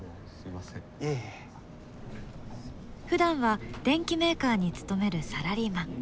ふだんは電機メーカーに勤めるサラリーマン。